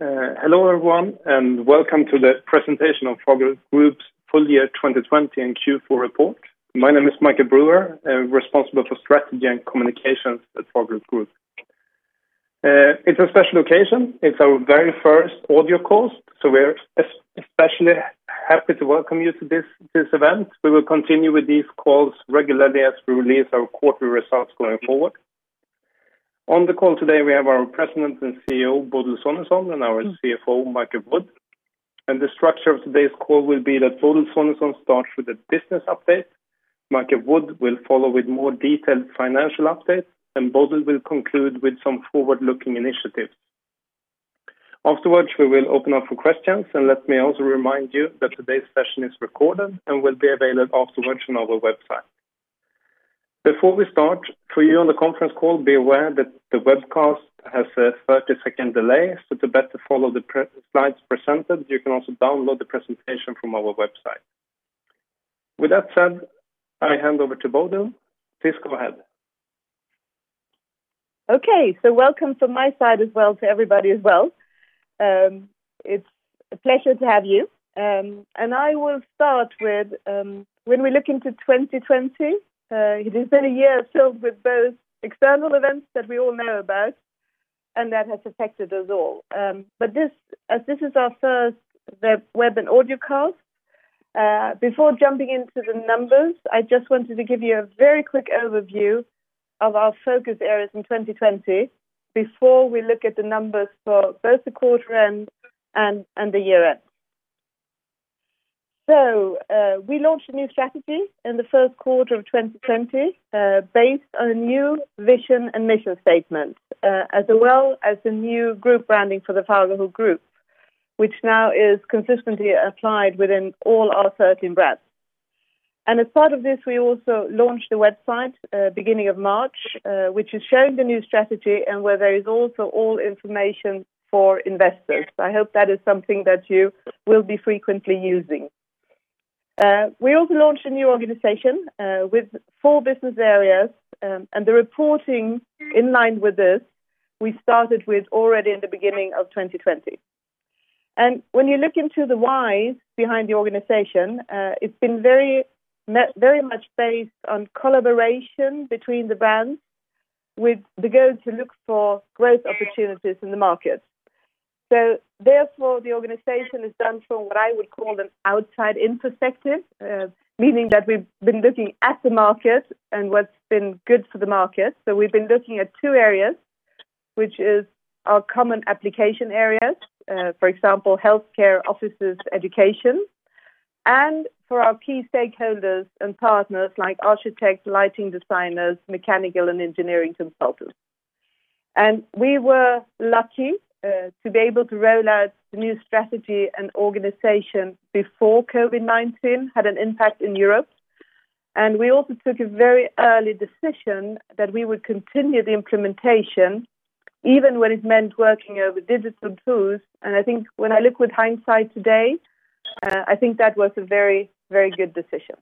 Hlello everyone, welcome to the presentation of Fagerhult Group's full year 2020 and Q4 report. My name is Michael Brüer, responsible for strategy and communications at Fagerhult Group. It's a special occasion. It's our very first audio call, so we're especially happy to welcome you to this event. We will continue with these calls regularly as we release our quarterly results going forward. On the call today, we have our President and CEO, Bodil Sonesson, and our CFO, Michael Wood. The structure of today's call will be that Bodil Sonesson starts with a business update. Michael Wood will follow with more detailed financial updates, and Bodil will conclude with some forward-looking initiatives. Afterwards, we will open up for questions, and let me also remind you that today's session is recorded and will be available afterwards on our website. Before we start, for you on the conference call, be aware that the webcast has a 30-second delay, so to better follow the slides presented, you can also download the presentation from our website. With that said, I hand over to Bodil. Please go ahead. Welcome from my side as well to everybody as well. It is a pleasure to have you. I will start with, when we look into 2020, it has been a year filled with both external events that we all know about and that has affected us all. As this is our first web and audio call, before jumping into the numbers, I just wanted to give you a very quick overview of our focus areas in 2020 before we look at the numbers for both the quarter end and the year end. We launched a new strategy in the first quarter of 2020 based on a new vision and mission statement as well as the new group branding for the Fagerhult Group, which now is consistently applied within all our 13 brands. As part of this, we also launched a website beginning of March, which is showing the new strategy and where there is also all information for investors. I hope that is something that you will be frequently using. We also launched a new organization with four Business Areas, and the reporting in line with this we started with already in the beginning of 2020. When you look into the whys behind the organization, it's been very much based on collaboration between the brands with the goal to look for growth opportunities in the market. Therefore, the organization is done from what I would call an outside-in perspective, meaning that we've been looking at the market and what's been good for the market. We've been looking at two areas, which is our common application areas, for example, healthcare, offices, education, and for our key stakeholders and partners like architects, lighting designers, mechanical and engineering consultants. We were lucky to be able to roll out the new strategy and organization before COVID-19 had an impact in Europe. We also took a very early decision that we would continue the implementation even when it meant working over digital tools. I think when I look with hindsight today, I think that was a very good decision.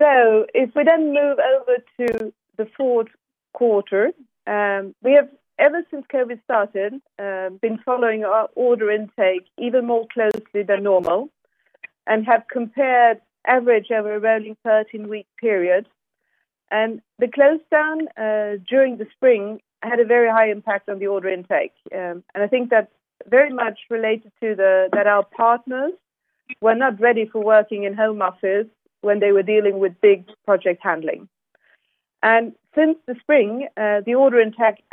If we then move over to the fourth quarter, we have, ever since COVID started, been following our order intake even more closely than normal and have compared average over a rolling 13-week period. The close down during the spring had a very high impact on the order intake. I think that's very much related to that our partners were not ready for working in home office when they were dealing with big project handling. Since the spring, the order intake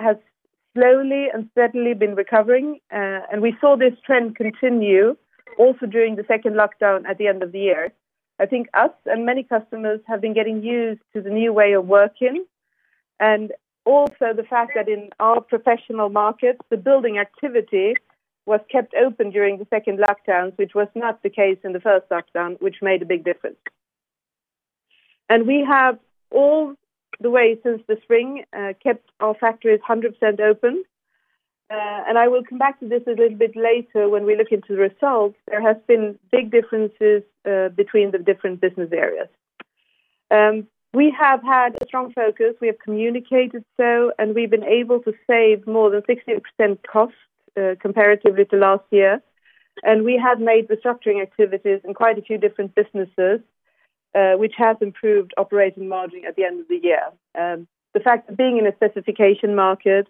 has slowly and steadily been recovering, and we saw this trend continue also during the second lockdown at the end of the year. I think us and many customers have been getting used to the new way of working, and also the fact that in our professional markets, the building activity was kept open during the second lockdown, which was not the case in the first lockdown, which made a big difference. We have all the way since the spring kept our factories 100% open. I will come back to this a little bit later when we look into the results. There has been big differences between the different business areas. We have had a strong focus. We have communicated so, and we've been able to save more than 16% cost comparatively to last year. We have made restructuring activities in quite a few different businesses, which has improved operating margin at the end of the year. The fact being in a specification market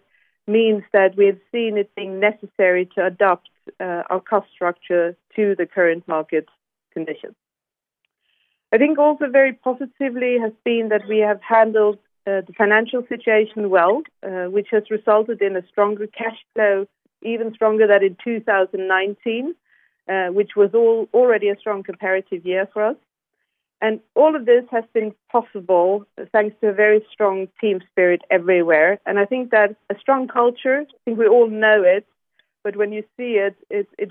means that we have seen it necessary to adapt our cost structure to the current market conditions. I think also very positively has been that we have handled the financial situation well, which has resulted in a stronger cash flow, even stronger than in 2019, which was already a strong comparative year for us. All of this has been possible thanks to a very strong team spirit everywhere. I think that a strong culture, I think we all know it, but when you see it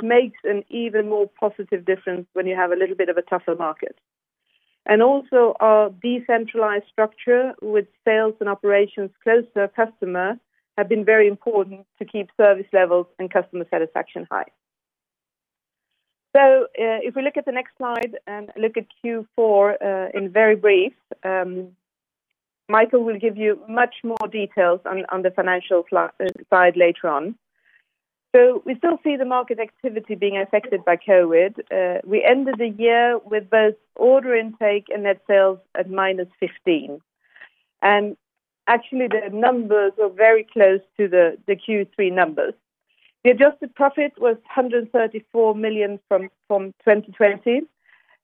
makes an even more positive difference when you have a little bit of a tougher market. Also our decentralized structure with sales and operations closer to customer have been very important to keep service levels and customer satisfaction high. If we look at the next slide and look at Q4 in very brief. Michael will give you much more details on the financial side later on. We still see the market activity being affected by COVID. We ended the year with both order intake and net sales at -15% YoY. Actually, the numbers are very close to the Q3 numbers. The adjusted profit was 134 million from 2020.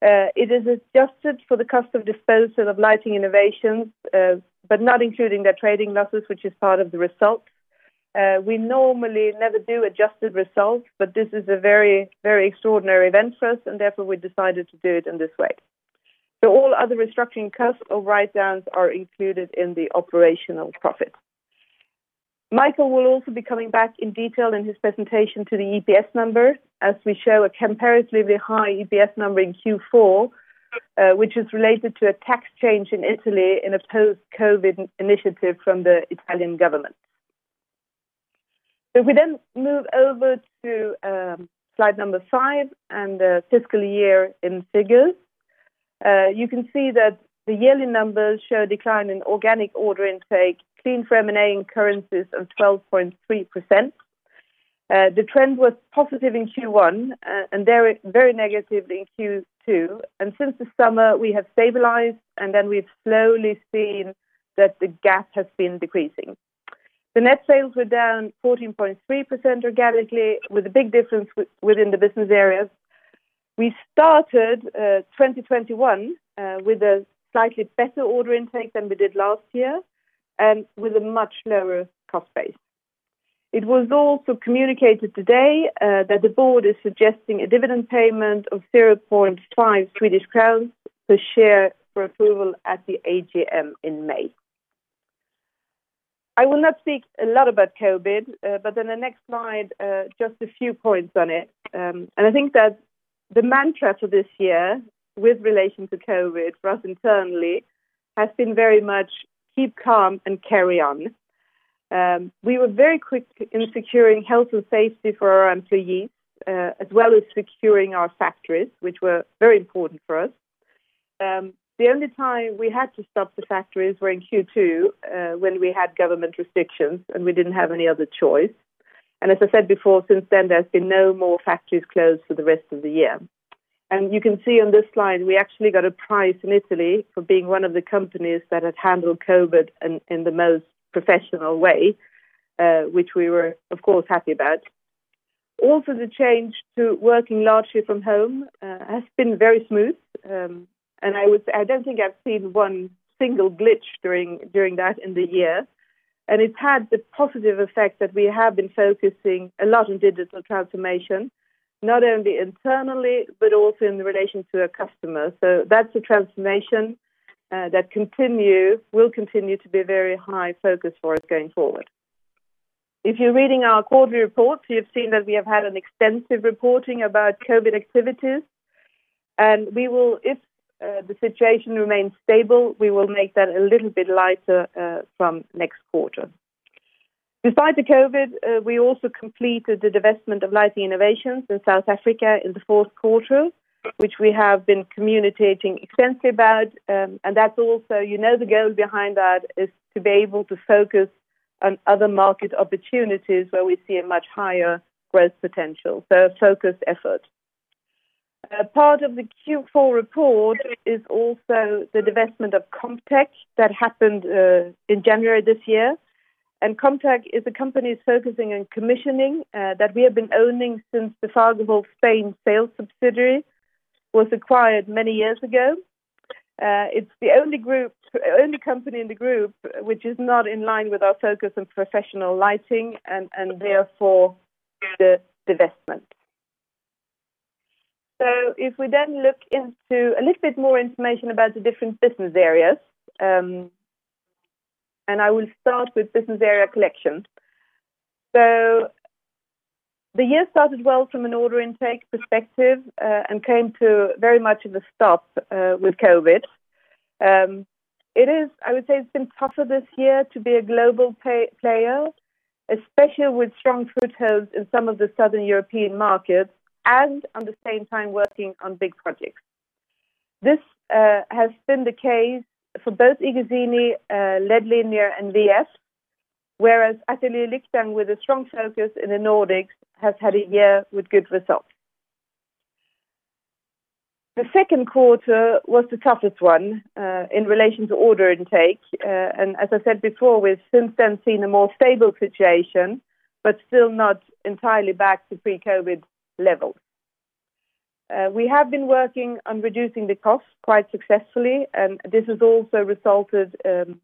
It is adjusted for the cost of disposal of Lighting Innovations, but not including their trading losses, which is part of the results. We normally never do adjusted results, but this is a very extraordinary event for us, and therefore, we decided to do it in this way. All other restructuring costs or write downs are included in the operational profits. Michael will also be coming back in detail in his presentation to the EPS numbers, as we show a comparatively high EPS number in Q4 which is related to a tax change in Italy in a post-COVID-19 initiative from the Italian government. We then move over to slide number five and the fiscal year in figures. You can see that the yearly numbers show a decline in organic order intake, clean from M&A in currencies of 12.3%. The trend was positive in Q1 and very negative in Q2. Since the summer, we have stabilized, and then we've slowly seen that the gap has been decreasing. The net sales were down 14.3% organically, with a big difference within the business areas. We started 2021 with a slightly better order intake than we did last year, and with a much lower cost base. It was also communicated today that the board is suggesting a dividend payment of 0.5 Swedish crowns per share for approval at the AGM in May. I will not speak a lot about COVID, but on the next slide, just a few points on it. I think that the mantra for this year with relation to COVID for us internally, has been very much keep calm and carry on. We were very quick in securing health and safety for our employees, as well as securing our factories, which were very important for us. The only time we had to stop the factories were in Q2, when we had government restrictions and we didn't have any other choice. As I said before, since then, there's been no more factories closed for the rest of the year. You can see on this slide, we actually got a prize in Italy for being one of the companies that had handled COVID in the most professional way, which we were, of course, happy about. Also, the change to working largely from home has been very smooth. I don't think I've seen one single glitch during that in the year. It's had the positive effect that we have been focusing a lot on digital transformation, not only internally, but also in relation to our customers. That's a transformation that will continue to be a very high focus for us going forward. If you're reading our quarterly reports, you've seen that we have had an extensive reporting about COVID activities. If the situation remains stable, we will make that a little bit lighter from next quarter. Besides the COVID, we also completed the divestment of Lighting Innovations in South Africa in the fourth quarter, which we have been communicating extensively about. You know the goal behind that is to be able to focus on other market opportunities where we see a much higher growth potential. A focused effort. Part of the Q4 report is also the divestment of Commtech that happened in January this year. Commtech is a company focusing on commissioning that we have been owning since the Fagerhult Spain sales subsidiary was acquired many years ago. It's the only company in the group which is not in line with our focus on professional lighting, and therefore the divestment. If we then look into a little bit more information about the different business areas, and I will start with Business Area Collection. The year started well from an order intake perspective and came to very much of a stop with COVID. I would say it's been tougher this year to be a global player, especially with strong footholds in some of the southern European markets and at the same time working on big projects. This has been the case for both iGuzzini, LED Linear, and WE-EF. ateljé Lyktan, with a strong focus in the Nordics, has had a year with good results. The second quarter was the toughest one in relation to order intake. As I said before, we've since then seen a more stable situation, but still not entirely back to pre-COVID levels. We have been working on reducing the cost quite successfully, and this has also resulted and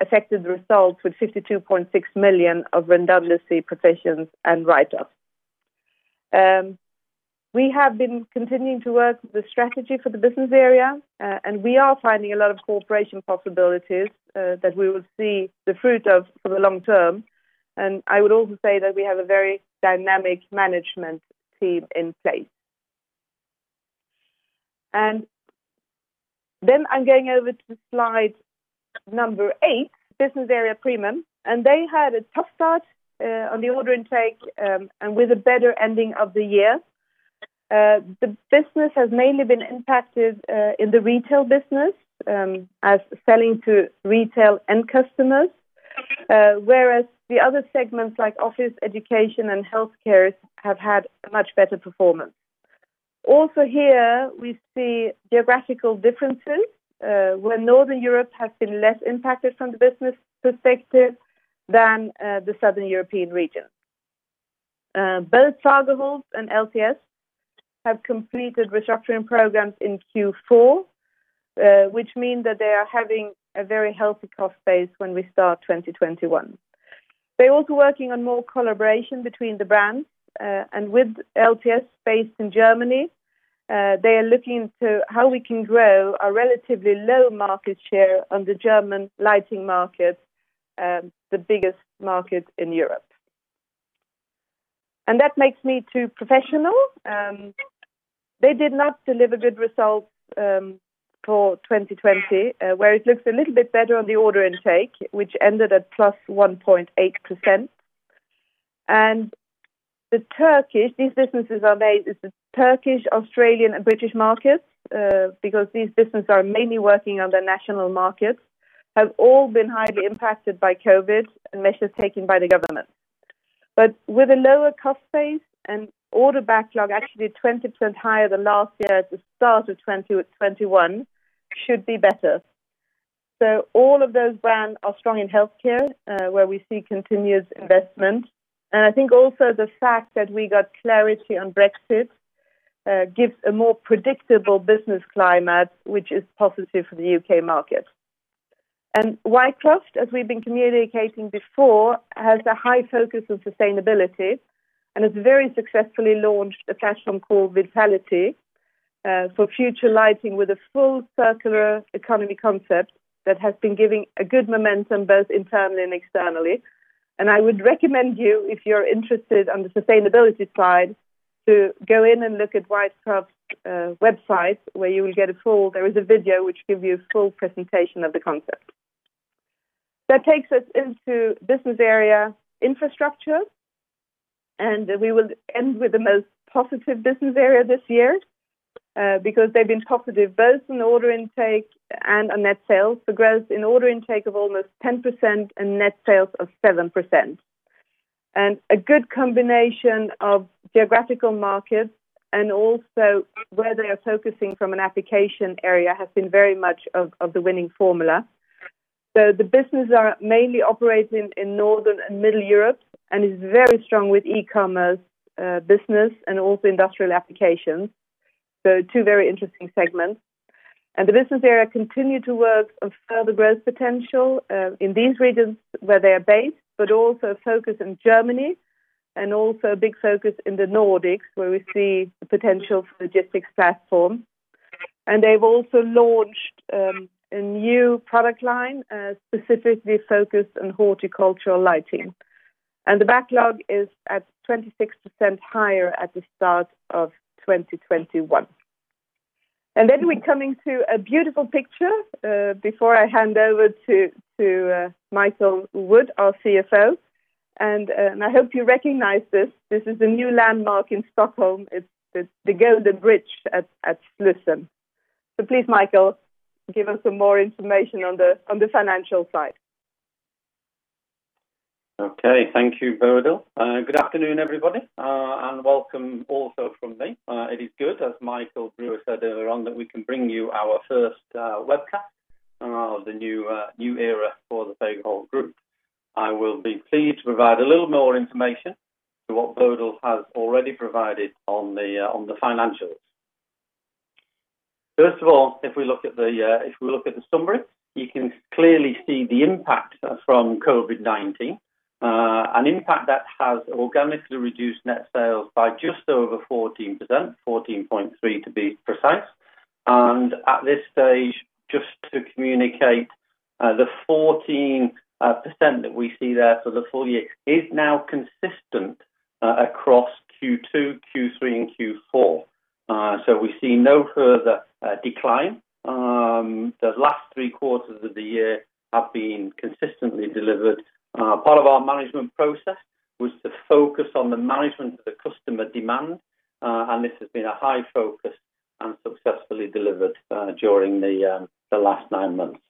affected the results with 52.6 million of redundancy provisions and write-offs. We have been continuing to work the strategy for the business area, and we are finding a lot of cooperation possibilities that we will see the fruit of for the long term. I would also say that we have a very dynamic management team in place. I'm going over to slide number eight, Business Area Premium, and they had a tough start on the order intake, and with a better ending of the year. The business has mainly been impacted in the retail business, as selling to retail end customers, whereas the other segments like office, education, and healthcare have had a much better performance. Here we see geographical differences, where Northern Europe has been less impacted from the business perspective than the Southern European region. Both Fagerhult and LTS have completed restructuring programs in Q4, which mean that they are having a very healthy cost base when we start 2021. They're also working on more collaboration between the brands, and with LTS based in Germany, they are looking into how we can grow a relatively low market share on the German lighting market, the biggest market in Europe. That makes me to Business Area Professional. They did not deliver good results for 2020, where it looks a little bit better on the order intake, which ended at +1.8%. These businesses are based in Turkish, Australian, and British markets, because these businesses are mainly working on the national markets, have all been highly impacted by COVID-19 and measures taken by the government. With a lower cost base and order backlog actually 20% higher than last year at the start of 2021 should be better. All of those brands are strong in healthcare, where we see continuous investment. I think also the fact that we got clarity on Brexit, gives a more predictable business climate, which is positive for the U.K. market. Whitecroft, as we've been communicating before, has a high focus on sustainability and has very successfully launched a platform called Vitality, for future lighting with a full circular economy concept that has been giving a good momentum both internally and externally. I would recommend you, if you're interested on the sustainability side, to go in and look at Whitecroft website. There is a video which gives you a full presentation of the concept. That takes us into Business Area Infrastructure, and we will end with the most positive business area this year, because they've been positive both in order intake and on net sales. The growth in order intake of almost 10% and net sales of 7%. A good combination of geographical markets and also where they are focusing from an application area has been very much of the winning formula. The business are mainly operating in Northern and Middle Europe and is very strong with e-commerce business and also industrial applications. Two very interesting segments. The Business Area continue to work on further growth potential, in these regions where they are based, but also a focus in Germany and also a big focus in the Nordics, where we see the potential for logistics platform. They've also launched a new product line, specifically focused on horticultural lighting. The backlog is at 26% higher at the start of 2021. We coming to a beautiful picture, before I hand over to Michael Wood, our CFO, and I hope you recognize this. This is a new landmark in Stockholm. It's the Golden Bridge at Slussen. Please, Michael, give us some more information on the financial side. Okay. Thank you, Bodil. Good afternoon, everybody, and welcome also from me. It is good, as Michael Brüer said earlier on, that we can bring you our first webcast of the new era for the Fagerhult Group. I will be pleased to provide a little more information to what Bodil has already provided on the financials. First of all, if we look at the summary, you can clearly see the impact from COVID-19, an impact that has organically reduced net sales by just over 14%, 14.3% to be precise. At this stage, just to communicate, the 14% that we see there for the full year is now consistent across Q2, Q3, and Q4. We see no further decline. The last three quarters of the year have been consistently delivered. Part of our management process was to focus on the management of the customer demand, and this has been a high focus and successfully delivered during the last nine months.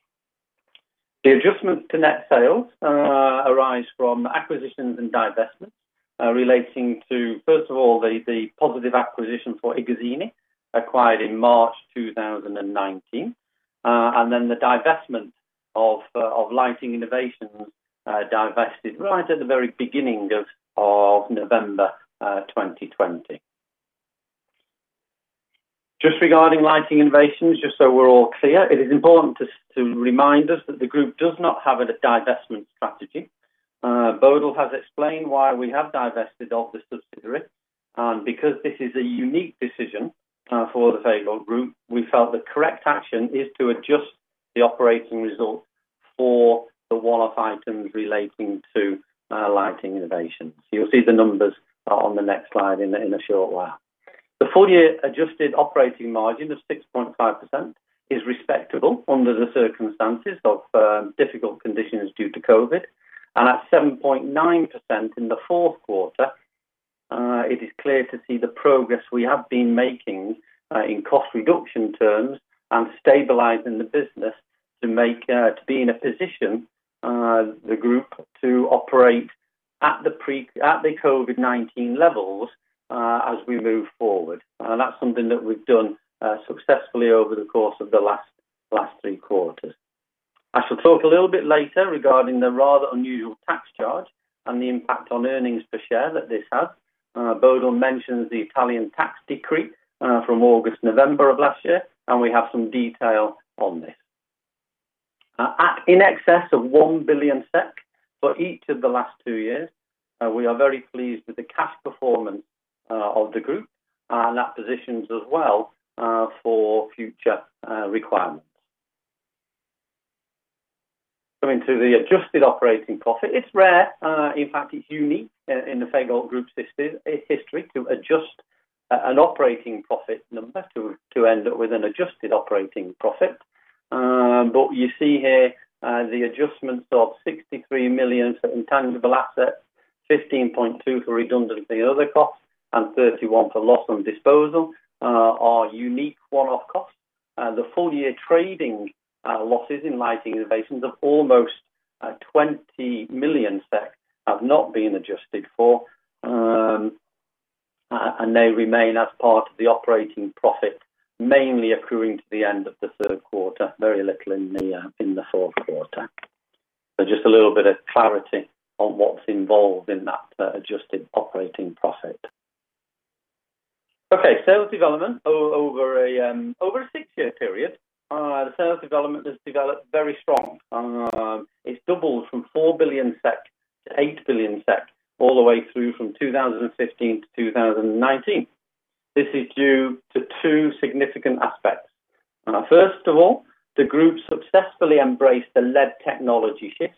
The adjustment to net sales arise from acquisitions and divestments relating to, first of all, the positive acquisition for iGuzzini, acquired in March 2019, and then the divestment of Lighting Innovations, divested right at the very beginning of November 2020. Just regarding Lighting Innovations, just so we're all clear, it is important to remind us that the group does not have a divestment strategy. Bodil has explained why we have divested of the subsidiary. Because this is a unique decision for the Fagerhult Group, we felt the correct action is to adjust the operating results for the one-off items relating to Lighting Innovations. You'll see the numbers on the next slide in a short while. The full year adjusted operating margin of 6.5% is respectable under the circumstances of difficult conditions due to COVID-19, and at 7.9% in the fourth quarter, it is clear to see the progress we have been making in cost reduction terms and stabilizing the business to be in a position, the group, to operate at the COVID-19 levels as we move forward. That's something that we've done successfully over the course of the last three quarters. I shall talk a little bit later regarding the rather unusual tax charge and the impact on earnings per share that this has. Bodil mentions the Italian tax decree from August to November of last year, and we have some detail on this: in excess of 1 billion SEK for each of the last two years. We are very pleased with the cash performance of the group, and that positions us well for future requirements. Coming to the adjusted operating profit. It's rare, in fact, it's unique in the Fagerhult Group history to adjust an operating profit number to end up with an adjusted operating profit. You see here the adjustments of 63 million for intangible assets, 15.2 for redundancy and other costs, and 31 for loss on disposal are unique one-off costs. The full-year trading losses in Lighting Innovations of almost 20 million have not been adjusted for, and they remain as part of the operating profit, mainly accruing to the end of the third quarter, very little in the fourth quarter. Just a little bit of clarity on what's involved in that adjusted operating profit. Okay. Sales development. Over a six-year period, the sales development has developed very strong. It's doubled from 4 billion-8 billion SEK all the way through from 2015 to 2019. This is due to two significant aspects. First of all, the group successfully embraced the LED technology shift,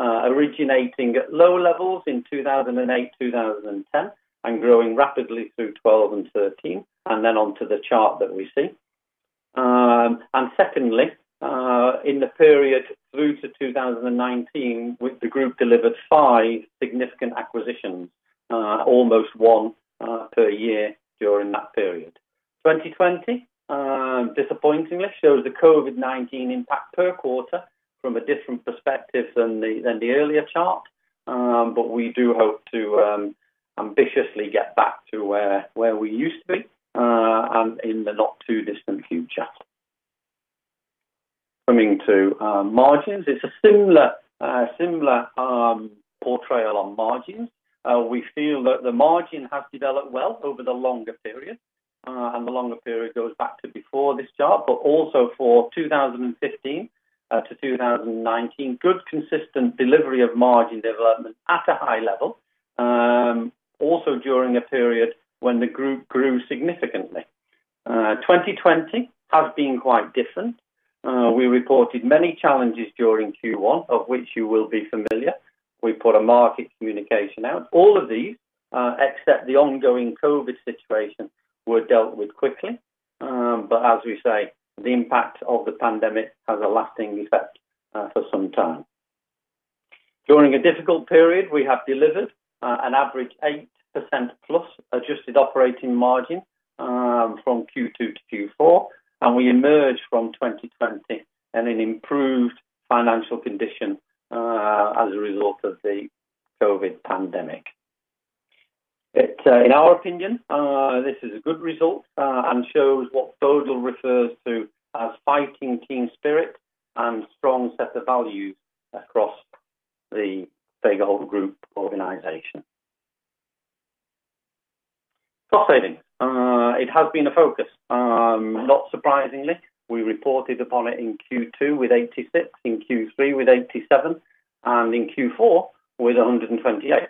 originating at low levels in 2008, 2010, and growing rapidly through 2012 and 2013, and then onto the chart that we see. Secondly, in the period through to 2019, with the group delivered five significant acquisitions, almost one per year during that period. 2020, disappointingly, shows the COVID-19 impact per quarter from a different perspective than the earlier chart, we do hope to ambitiously get back to where we used to be and in the not-too-distant future. Coming to margins. It's a similar portrayal on margins. We feel that the margin has developed well over the longer period, and the longer period goes back to before this chart, but also for 2015 to 2019. Good, consistent delivery of margin development at a high level, also during a period when the group grew significantly. 2020 has been quite different. We reported many challenges during Q1, of which you will be familiar. We put a market communication out. All of these, except the ongoing COVID-19 situation, were dealt with quickly. As we say, the impact of the pandemic has a lasting effect for some time. During a difficult period, we have delivered an average 8%+ adjusted operating margin from Q2 to Q4, and we emerge from 2020 in an improved financial condition as a result of the COVID-19 pandemic. In our opinion, this is a good result and shows what Bodil refers to as fighting team spirit and strong set of values across the Fagerhult Group organization. Cost savings. It has been a focus. Not surprisingly, we reported upon it in Q2 with 86, in Q3 with 87, and in Q4 with 128.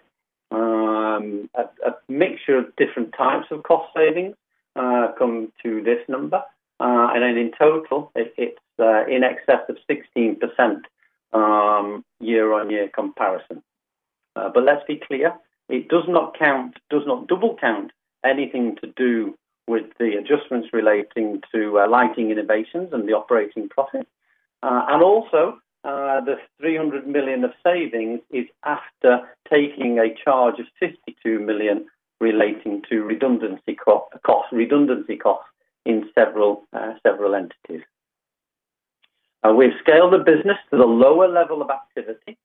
A mixture of different types of cost savings come to this number. In total, it's in excess of 16% year-on-year comparison. Let's be clear, it does not double count anything to do with the adjustments relating to Lighting Innovations and the operating profit. Also, the 300 million of savings is after taking a charge of 52 million relating to redundancy cost in several entities. We've scaled the business to the lower level of activity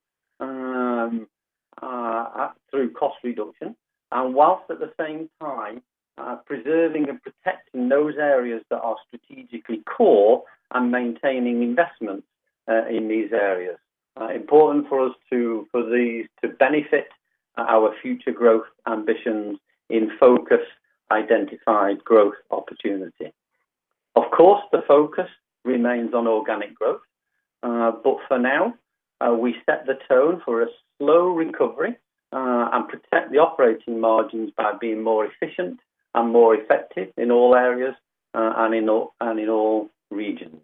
through cost reduction, and whilst at the same time preserving and protecting those areas that are strategically core and maintaining investments in these areas. Important for these to benefit our future growth ambitions in focus identified growth opportunity. Of course, the focus remains on organic growth. For now, we set the tone for a slow recovery and protect the operating margins by being more efficient and more effective in all areas and in all regions.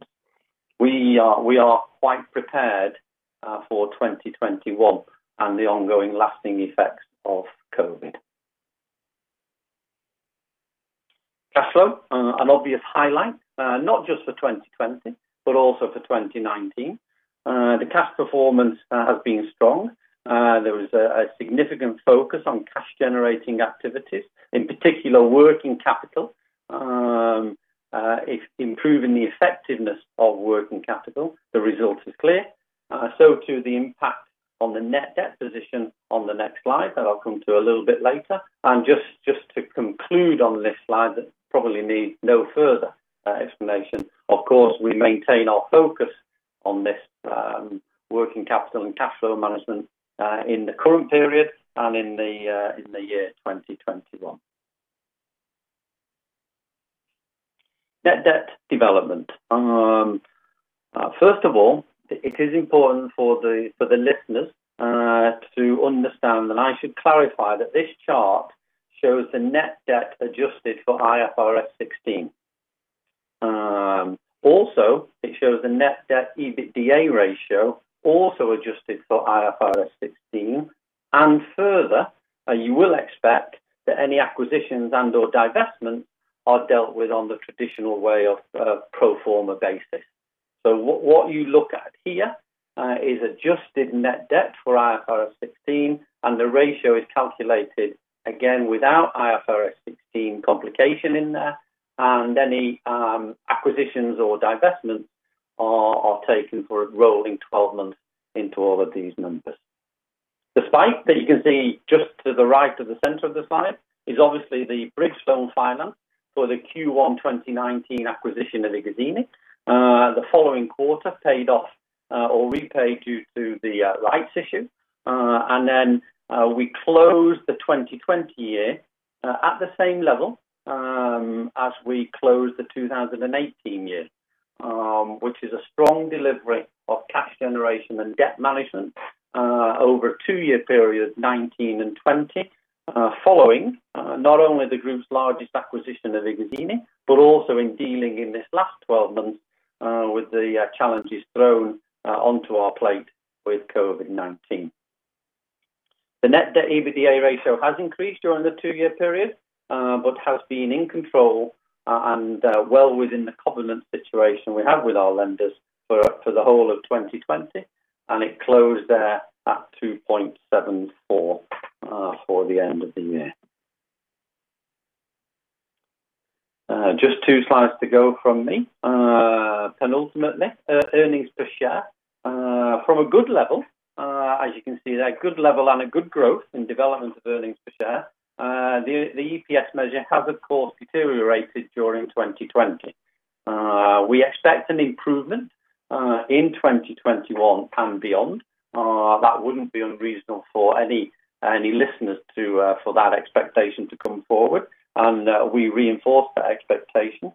We are quite prepared for 2021 and the ongoing lasting effects of COVID. Cash flow, an obvious highlight, not just for 2020, but also for 2019. The cash performance has been strong. There was a significant focus on cash-generating activities, in particular, working capital. If improving the effectiveness of working capital, the result is clear. To the impact on the net debt position on the next slide that I'll come to a little bit later. Just to conclude on this slide that probably needs no further explanation. Of course, we maintain our focus on this working capital and cash flow management, in the current period and in the year 2021. Net debt development. First of all, it is important for the listeners to understand that I should clarify that this chart shows the net debt adjusted for IFRS 16. Also, it shows the net debt EBITDA ratio also adjusted for IFRS 16, and further, you will expect that any acquisitions and/or divestments are dealt with on the traditional way of pro forma basis. What you look at here is adjusted net debt for IFRS 16, and the ratio is calculated, again, without IFRS 16 complication in there, and any acquisitions or divestments are taken for a rolling 12 months into all of these numbers. The spike that you can see just to the right of the center of the slide is obviously the bridge loan finance for the Q1 2019 acquisition of iGuzzini. The following quarter paid off or repaid due to the rights issue. We closed the 2020 year at the same level as we closed the 2018 year, which is a strong delivery of cash generation and debt management over a two-year period 2019 and 2020, following not only the group's largest acquisition of iGuzzini, but also in dealing in this last 12 months with the challenges thrown onto our plate with COVID-19. The net debt EBITDA ratio has increased during the two-year period, but has been in control and well within the covenant situation we have with our lenders for the whole of 2020, and it closed there at 2.74x for the end of the year. Just two slides to go from me. Penultimately, earnings per share. From a good level, as you can see there, good level and a good growth in development of earnings per share. The EPS measure has, of course, deteriorated during 2020. We expect an improvement in 2021 and beyond. That wouldn't be unreasonable for any listeners for that expectation to come forward, and we reinforce that expectation.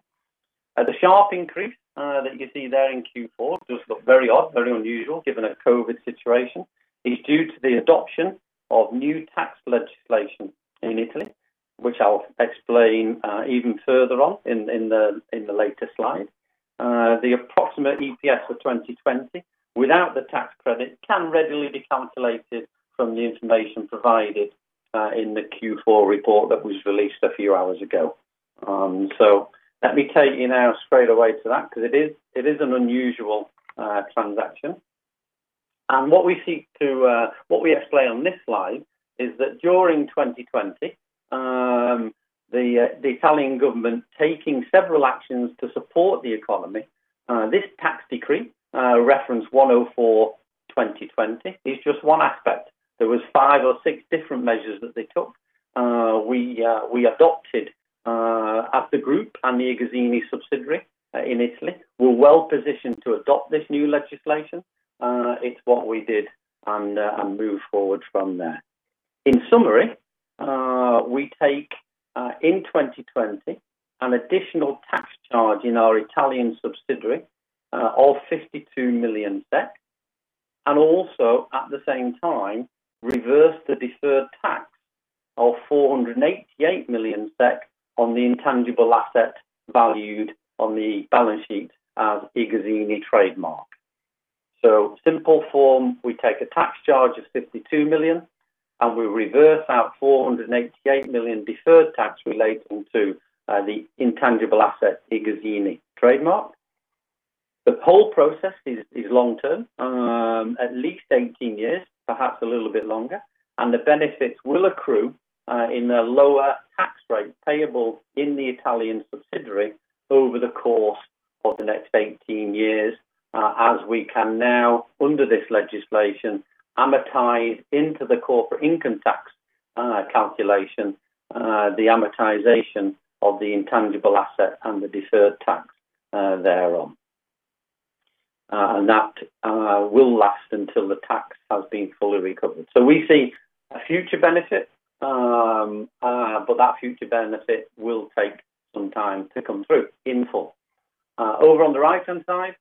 The sharp increase that you see there in Q4 does look very odd, very unusual given a COVID-19 situation, is due to the adoption of new tax legislation in Italy, which I'll explain even further on in the later slide. The approximate EPS for 2020 without the tax credit can readily be calculated from the information provided in the Q4 report that was released a few hours ago. Let me take you now straight away to that because it is an unusual transaction. What we explain on this slide is that during 2020, the Italian government taking several actions to support the economy. This tax decree, Decree-Law 104/2020, is just one aspect. There was five or six different measures that they took. We adopted as the group and the iGuzzini subsidiary in Italy. We're well-positioned to adopt this new legislation. It's what we did and move forward from there. In summary, we take in 2020 an additional tax charge in our Italian subsidiary of 52 million, and also at the same time reverse the deferred tax of 488 million SEK on the intangible asset valued on the balance sheet as iGuzzini trademark. Simple form, we take a tax charge of 52 million, and we reverse out 488 million deferred tax relating to the intangible asset, iGuzzini trademark. The whole process is long-term, at least 18 years, perhaps a little bit longer, and the benefits will accrue in a lower tax rate payable in the Italian subsidiary over the course of the next 18 years, as we can now, under this legislation, amortize into the corporate income tax calculation, the amortization of the intangible asset and the deferred tax thereon. That will last until the tax has been fully recovered. We see a future benefit, but that future benefit will take some time to come through in full. Over on the right-hand side.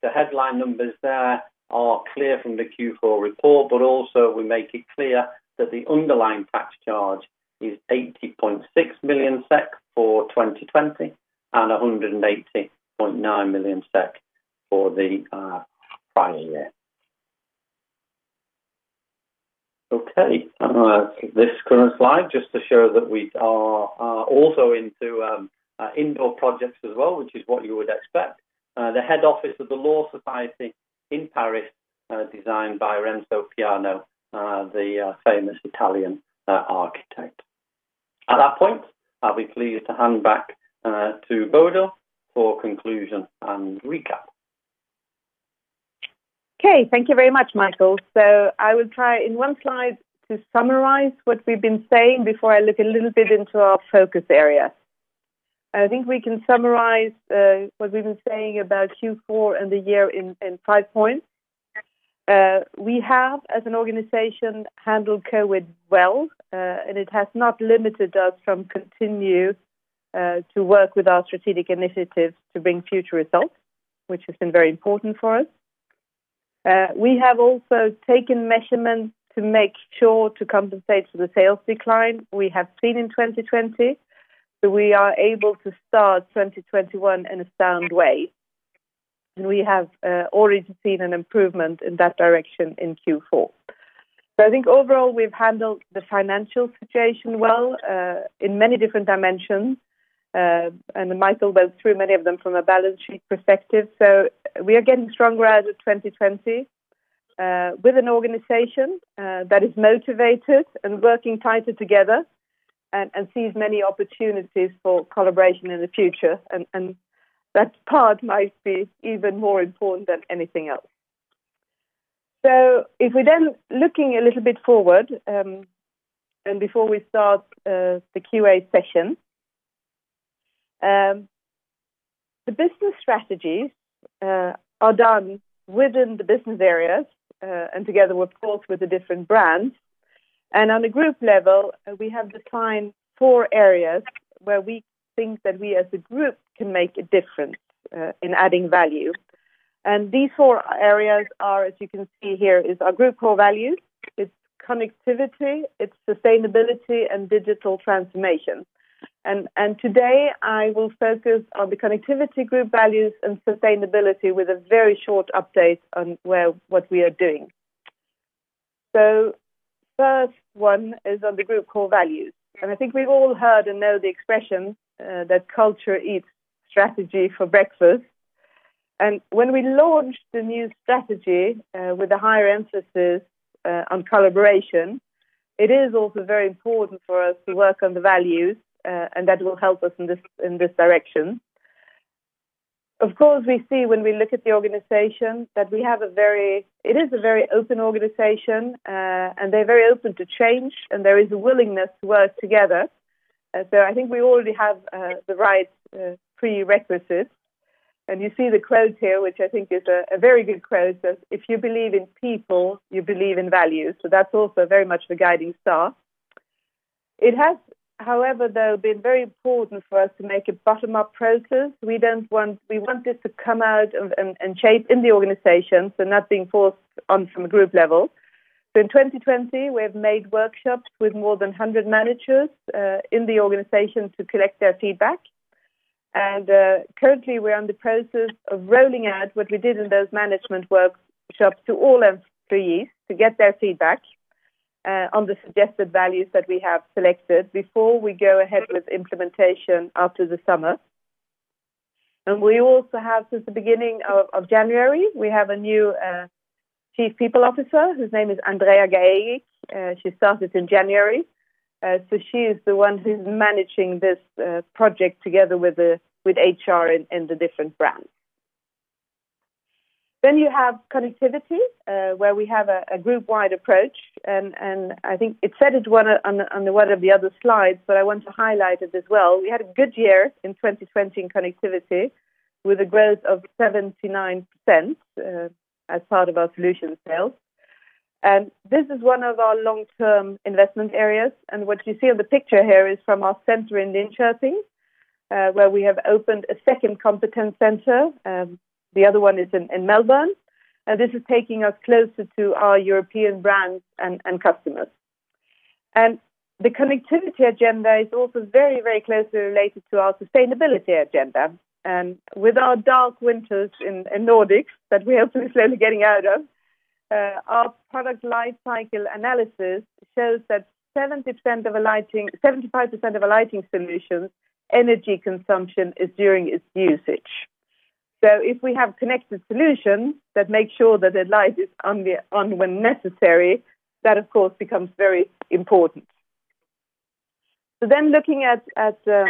The headline numbers there are clear from the Q4 report, but also we make it clear that the underlying tax charge is 80.6 million SEK for 2020 and 180.9 million SEK for the prior year. This current slide, just to show that we are also into indoor projects as well, which is what you would expect. The head office of the Law Society in Paris, designed by Renzo Piano, the famous Italian architect. At that point, I'll be pleased to hand back to Bodil for conclusion and recap. Okay. Thank you very much, Michael. I will try in one slide to summarize what we've been saying before I look a little bit into our focus area. I think we can summarize what we've been saying about Q4 and the year in five points. We have, as an organization, handled COVID well, and it has not limited us from continue to work with our strategic initiatives to bring future results, which has been very important for us. We have also taken measurements to make sure to compensate for the sales decline we have seen in 2020, so we are able to start 2021 in a sound way. We have already seen an improvement in that direction in Q4. I think overall, we've handled the financial situation well in many different dimensions, and Michael went through many of them from a balance sheet perspective. We are getting stronger out of 2020, with an organization that is motivated and working tighter together and sees many opportunities for collaboration in the future, and that part might be even more important than anything else. If we're then looking a little bit forward, and before we start the QA session, the business strategies are done within the business areas, and together, of course, with the different brands. On a group level, we have defined four areas where we think that we as a group can make a difference in adding value. These four areas are, as you can see here, is our group core values, it's connectivity, it's sustainability, and digital transformation. Today, I will focus on the connectivity, group values, and sustainability with a very short update on what we are doing. First one is on the Group core values, and I think we've all heard and know the expression that culture eats strategy for breakfast. When we launched the new strategy with a higher emphasis on collaboration, it is also very important for us to work on the values, and that will help us in this direction. Of course, we see when we look at the organization that we have a very open organization, and they're very open to change, and there is a willingness to work together. I think we already have the right prerequisites. You see the quote here, which I think is a very good quote, that if you believe in people, you believe in values. That's also very much the guiding star. It has, however, though, been very important for us to make a bottom-up process. We want this to come out and change in the organization, nothing forced on from a group level. In 2020, we have made workshops with more than 100 managers in the organization to collect their feedback. Currently, we're in the process of rolling out what we did in those management workshops to all employees to get their feedback on the suggested values that we have selected before we go ahead with implementation after the summer. We also have, since the beginning of January, we have a new Chief People Officer. Her name is Andrea Gageik. She started in January. She is the one who's managing this project together with HR and the different brands. You have connectivity, where we have a group-wide approach, and I think it said it on one of the other slides, but I want to highlight it as well. We had a good year in 2020 in connectivity with a growth of 79% as part of our solution sales. This is one of our long-term investment areas. What you see on the picture here is from our center in Linköping, where we have opened a second competence center. The other one is in Melbourne. This is taking us closer to our European brands and customers. The connectivity agenda is also very closely related to our sustainability agenda. With our dark winters in Nordic, that we are hopefully slowly getting out of, our product lifecycle analysis shows that 75% of a lighting solution energy consumption is during its usage. If we have connected solutions that make sure that the light is on when necessary, that, of course, becomes very important. Looking at the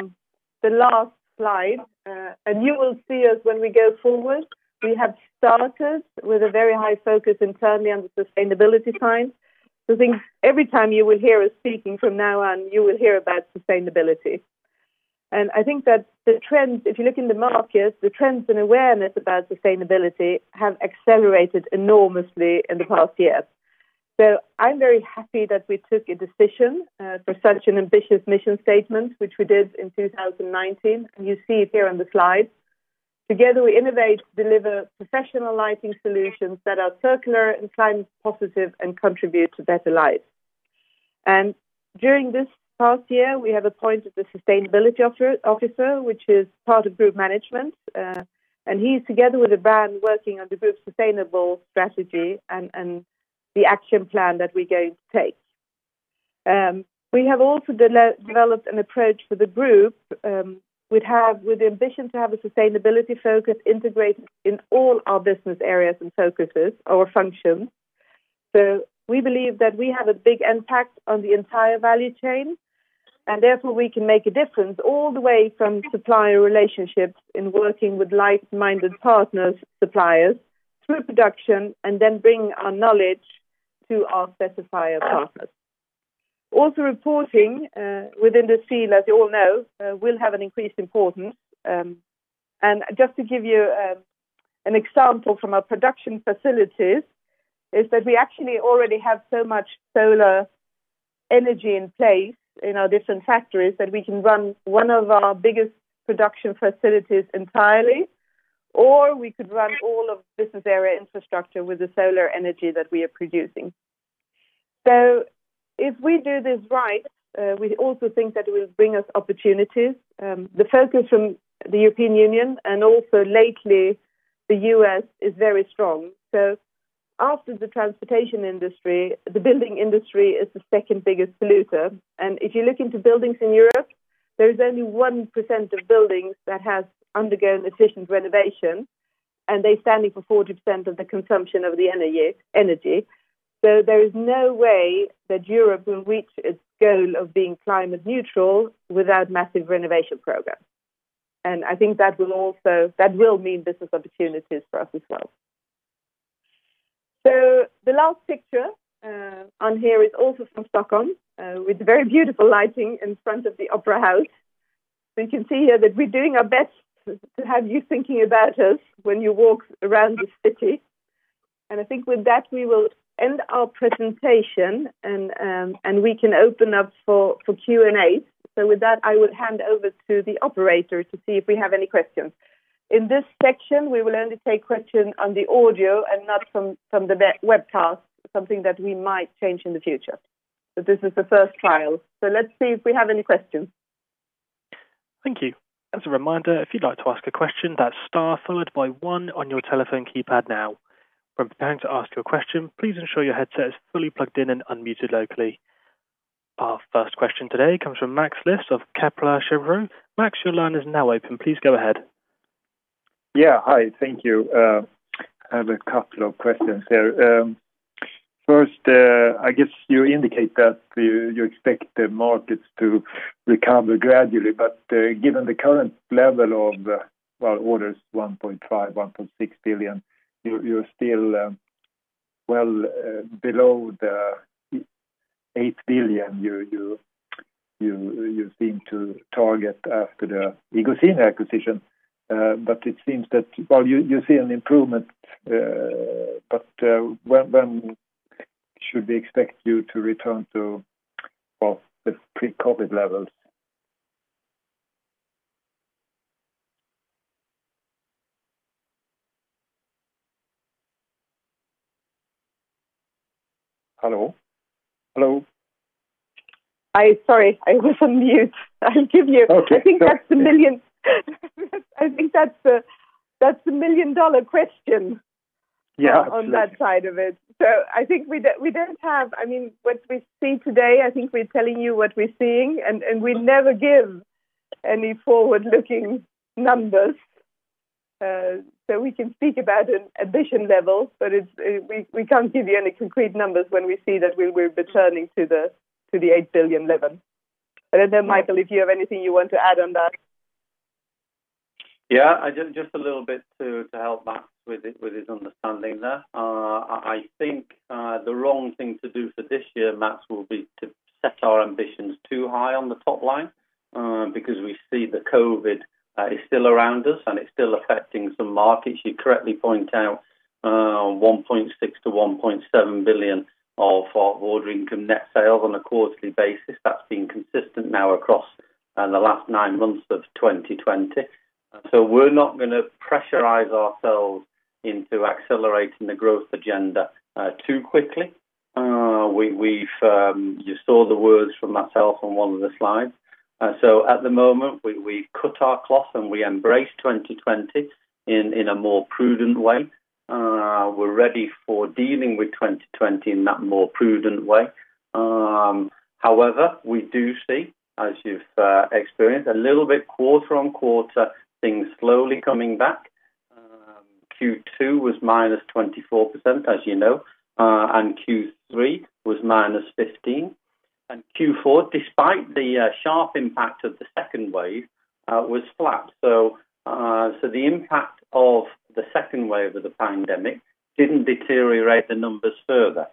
last slide, and you will see as when we go forward, we have started with a very high focus internally on the sustainability side. I think every time you will hear us speaking from now on, you will hear about sustainability. I think that the trends, if you look in the markets, the trends and awareness about sustainability have accelerated enormously in the past year. I'm very happy that we took a decision for such an ambitious mission statement, which we did in 2019, and you see it here on the slide. Together we innovate to deliver professional lighting solutions that are circular and climate positive and contribute to better lives. During this past year, we have appointed a sustainability officer, which is part of Group management, and he's together with a team working on the Group's sustainable strategy and the action plan that we're going to take. We have also developed an approach for the Group with the ambition to have a sustainability focus integrated in all our Business Areas and focuses, our functions. We believe that we have a big impact on the entire value chain, and therefore, we can make a difference all the way from supplier relationships in working with like-minded partners, suppliers, through production, and then bring our knowledge to our specifier partners. Also reporting within this field, as you all know, will have an increased importance. Just to give you an example from our production facilities, is that we actually already have so much solar energy in place in our different factories that we can run one of our biggest production facilities entirely, or we could run all of this area Infrastructure with the solar energy that we are producing. If we do this right, we also think that it will bring us opportunities. The focus from the European Union and also lately the U.S. is very strong. After the transportation industry, the building industry is the second biggest polluter. If you look into buildings in Europe, there is only 1% of buildings that has undergone efficient renovation, and they're standing for 40% of the consumption of the energy. There is no way that Europe will reach its goal of being climate neutral without massive renovation programs. I think that will mean business opportunities for us as well. The last picture on here is also from Stockholm, with very beautiful lighting in front of the opera house. You can see here that we're doing our best to have you thinking about us when you walk around the city. I think with that, we will end our presentation and we can open up for Q&A. With that, I will hand over to the operator to see if we have any questions. In this section, we will only take questions on the audio and not from the webcast, something that we might change in the future. This is the first trial, so let's see if we have any questions. Thank you. As a reminder, if you'd like to ask a question, that's star followed by one on your telephone keypad now. When preparing to ask your question, please ensure your headset is fully plugged in and unmuted locally. Our first question today comes from Mats Liss of Kepler Cheuvreux. Mats, your line is now open. Please go ahead. Yeah. Hi, thank you. I have a couple of questions there. First, I guess you indicate that you expect the markets to recover gradually. Given the current level of orders 1.6 billion-1.7 billion, you're still well below the 8 billion you seem to target after the iGuzzini acquisition. It seems that while you see an improvement, but when should we expect you to return to the pre-COVID-19 levels? Hello? Sorry, I was on mute. I think that's the million-dollar question. Yeah, absolutely. on that side of it. What we see today, I think we're telling you what we're seeing, and we never give any forward-looking numbers. We can speak about an ambition level, but we can't give you any concrete numbers when we see that we'll be returning to the 8 billion level. I don't know, Michael, if you have anything you want to add on that? Just a little bit to help Mats with his understanding there. I think the wrong thing to do for this year, Mats, will be to set our ambitions too high on the top line, because we see that COVID is still around us and it's still affecting some markets. You correctly point out 1.6 billion-1.7 billion of our order income net sales on a quarterly basis. That's been consistent now across the last nine months of 2020. We're not going to pressurize ourselves into accelerating the growth agenda too quickly. You saw the words from myself on one of the slides. At the moment, we cut our cloth and we embrace 2020 in a more prudent way. We're ready for dealing with 2020 in that more prudent way. However, we do see, as you've experienced, a little bit quarter-on-quarter, things slowly coming back. Q2 was -24%, as you know, and Q3 was -15%. Q4, despite the sharp impact of the second wave, was flat. The impact of the second wave of the pandemic didn't deteriorate the numbers further.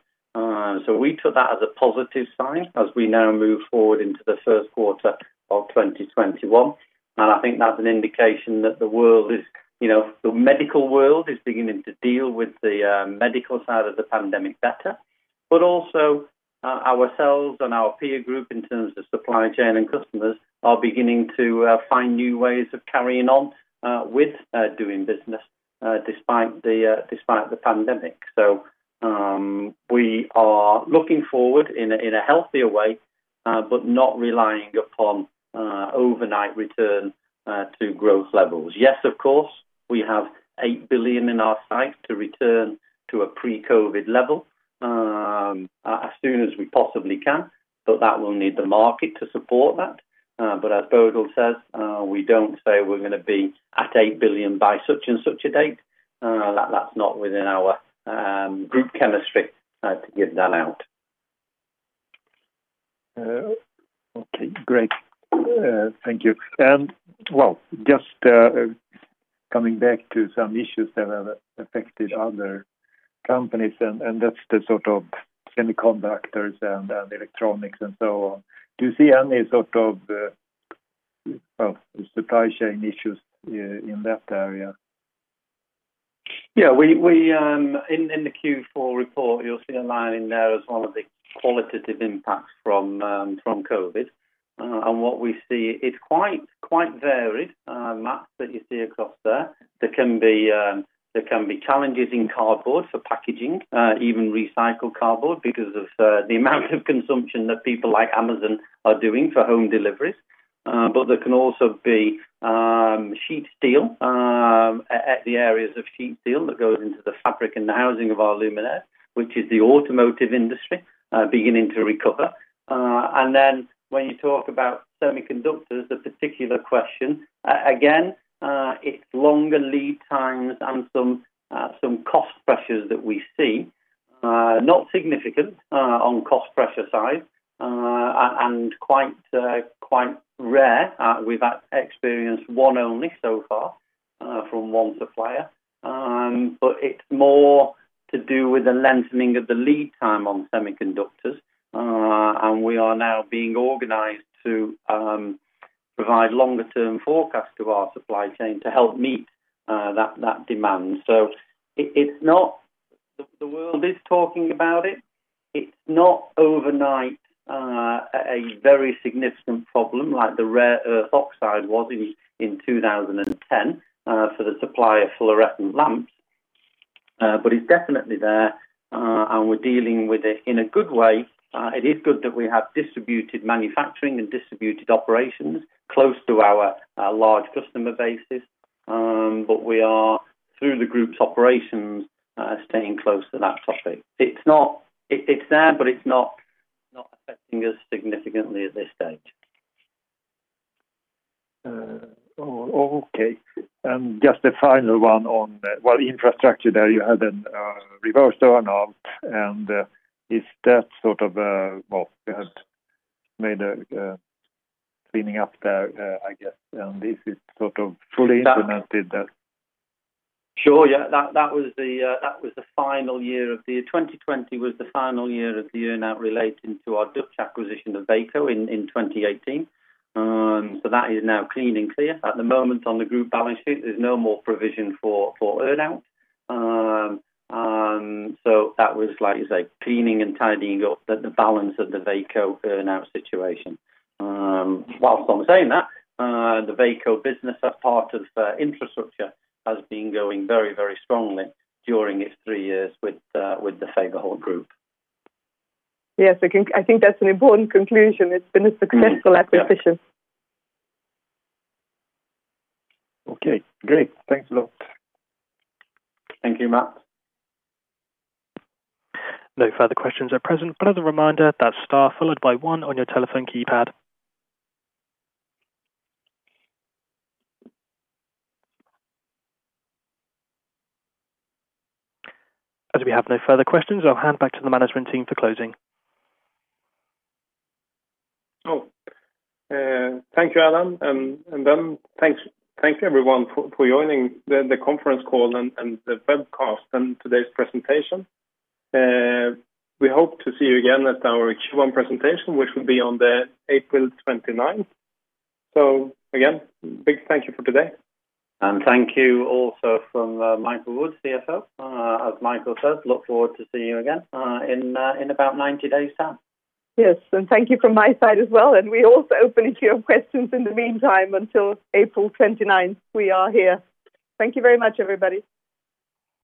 We took that as a positive sign as we now move forward into the first quarter of 2021. I think that's an indication that the medical world is beginning to deal with the medical side of the pandemic better. Also ourselves and our peer group in terms of supply chain and customers are beginning to find new ways of carrying on with doing business despite the pandemic. We are looking forward in a healthier way, but not relying upon overnight return to growth levels. Yes, of course, we have 8 billion in our sights to return to a pre-COVID level as soon as we possibly can, but that will need the market to support that. As Bodil says, we don't say we're going to be at 8 billion by such and such a date. That's not within our group chemistry to give that out. Okay, great. Thank you. Well, just coming back to some issues that have affected other companies, and that's the semiconductors and electronics and so on. Do you see any supply chain issues in that area? Yeah. In the Q4 report, you'll see a line in there as one of the qualitative impacts from COVID. What we see, it's quite varied. Mats, that you see across there. There can be challenges in cardboard for packaging, even recycled cardboard, because of the amount of consumption that people like Amazon are doing for home deliveries. There can also be sheet steel at the areas of sheet steel that goes into the fabric and the housing of our luminaire, which is the automotive industry beginning to recover. When you talk about semiconductors, a particular question, again, it's longer lead times and some cost pressures that we see. Not significant on cost pressure side, and quite rare. We've experienced one only so far from one supplier. It's more to do with the lengthening of the lead time on semiconductors. We are now being organized to provide longer term forecasts to our supply chain to help meet that demand. The world is talking about it. It's not overnight a very significant problem like the rare earth oxide was in 2010 for the supply of fluorescent lamps. It's definitely there, and we're dealing with it in a good way. It is good that we have distributed manufacturing and distributed operations close to our large customer bases. We are, through the group's operations, staying close to that topic. It's there, but it's not affecting us significantly at this stage. Okay. Just a final one on, well, Infrastructure there you had a reversal earn-out? Well, you have made a cleaning up there, I guess. This is sort of fully implemented? Sure. Yeah, 2020 was the final year of the earn-out relating to our Dutch acquisition of Veko in 2018. That is now clean and clear. At the moment on the group balance sheet, there is no more provision for earn-out. That was like, as I say, cleaning and tidying up the balance of the Veko earn-out situation. Whilst I am saying that, the Veko business as part of Infrastructure has been going very, very strongly during its three years with the Fagerhult Group. I think that's an important conclusion. It's been a successful acquisition. Okay, great. Thanks a lot. Thank you, Mats. No further questions at present, but as a reminder, that's star followed by one on your telephone keypad. As we have no further questions, I'll hand back to the management team for closing. Thank you, Alan. Thank you everyone for joining the conference call and the webcast and today's presentation. We hope to see you again at our Q1 presentation, which will be on the April 29th. Again, big thank you for today. Thank you also from Michael Wood, CFO. As Michael says, look forward to seeing you again in about 90 days' time. Yes. Thank you from my side as well, and we're also open to your questions in the meantime until April 29th. We are here. Thank you very much, everybody.